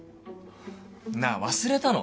なあ忘れたの？